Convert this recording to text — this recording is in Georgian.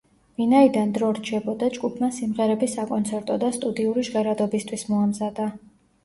ვინაიდან დრო რჩებოდა, ჯგუფმა სიმღერები საკონცერტო და სტუდიური ჟღერადობისთვის მოამზადა.